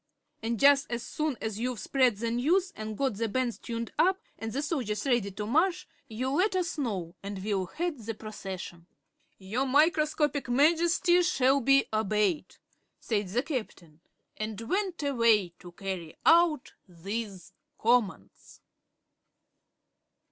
And jus' as soon as you've spread the news an' got the bands tuned up and the soldiers ready to march, you let us know and we'll head the procession." "Your Microscopic Majesty shall be obeyed," said the Captain, and went away to carry out these commands.